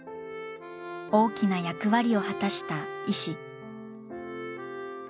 大きな役割を果たした石。